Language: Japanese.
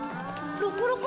ロコロコ